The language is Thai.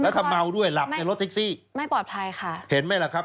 ถ้าเมาด้วยหลับในรถแท็กซี่ไม่ปลอดภัยค่ะเห็นไหมล่ะครับ